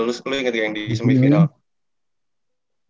terus lu inget gak yang di semifinal